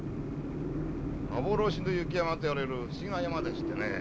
幻の雪山といわれる不思議な山でしてねえ。